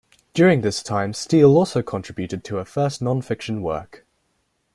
During this time Steel also contributed to her first non-fiction work.